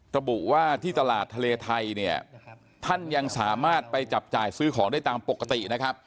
ระบุว่าที่ตลาดทะเลไทยเนี่ยท่านยังสามารถไปจับจ่ายซื้อของได้ตามปกตินะครับ